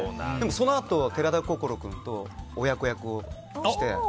そのあと寺田心君と親子役をして。